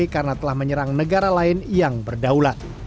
karena telah menyerang negara lain yang berdaulat